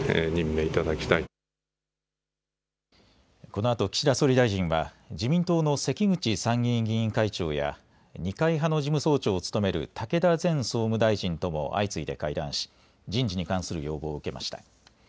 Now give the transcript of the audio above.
このあと岸田総理大臣は自民党の関口参議院議員会長や二階派の事務総長を務める武田前総務大臣とも相次いで会談し人事に関する要望を受けました。